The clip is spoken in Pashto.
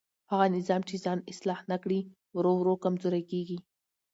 هغه نظام چې ځان اصلاح نه کړي ورو ورو کمزوری کېږي